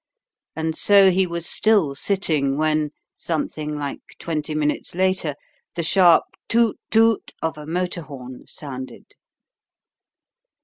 And so he was still sitting when, something like twenty minutes later, the sharp "Toot toot!" of a motor horn sounded.